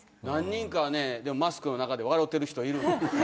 何人かマスクの中で笑うてる人いる。